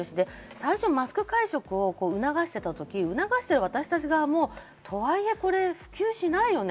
最初、マスク会食を促していた時私たちも、とはいえ普及しないよね。